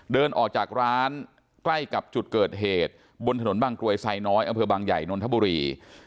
เดินออกจากร้านใกล้กับจุดเกิดเหตุบนถนนบางกรวยไซน้อยอำเภอบางใหญ่นนทบุรี